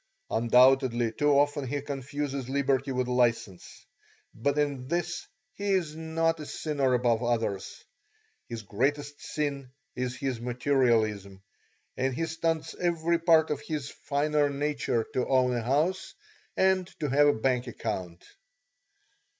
Undoubtedly too often he confuses liberty with license, but in this he is not a sinner above others. His greatest sin is his materialism, and he stunts every part of his finer nature to own a house and to have a bank account.